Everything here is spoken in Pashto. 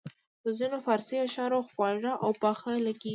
د ځینو فارسي اشعار خواږه او پاخه لګیږي.